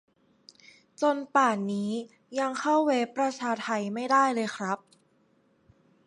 จนป่านนี้ยังเข้าเว็บประชาไทไม่ได้เลยครับ